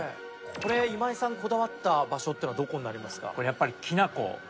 これ今井さんこだわった場所っていうのはどこになりますか？